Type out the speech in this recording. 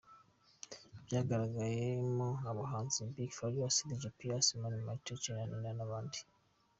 Cyagaragayemo abahanzi Big Farious, Dj Pius, Mani Martin, Charly na Nina n’abandi.